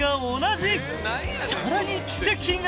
［さらに奇跡が］